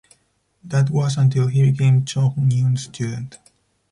That was until he became Cho Hunhyun's student.